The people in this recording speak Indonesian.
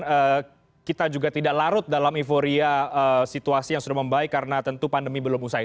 dan kita juga tidak larut dalam euforia situasi yang sudah membaik karena tentu pandemi belum usai